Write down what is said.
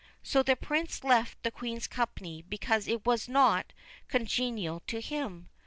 So the Prince left the Queen's company because it was not congenial to him.